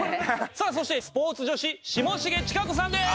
さあそしてスポーツ女子下重智華子さんです。